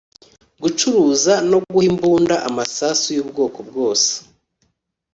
gucuruza no guha imbunda amasasu y’ubwoko bwose